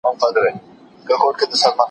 زه به مځکي ته کتلې وي!!